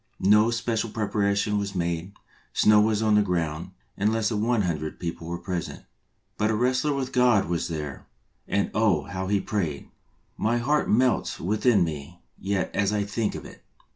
No special preparation was made ; snow was on the ground, and less than one hundred people were present. But a wrestler with God was there, and oh, how he prayed ! My heart melts within me yet as I think of it.